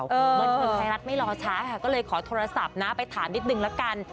บันเทิงไทยรัฐไม่รอช้าค่ะก็เลยขอโทรศัพท์นะไปถามนิดนึงละกัน